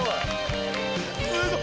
すごい！